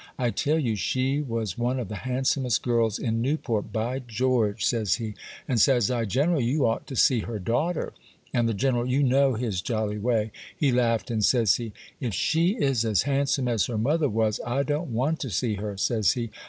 I tell you, she was one of the handsomest girls in Newport, by George!" says he. And says I,—"General, you ought to see her daughter." And the General,—you know his jolly way,—he laughed, and says he,—"If she is as handsome as her mother was, I don't want to see her," says he.